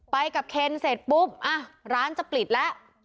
ไปกับเคนเสร็จปุ๊บอ่ะร้านจะปิดแล้ว